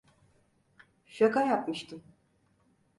Şaka yapmıştım.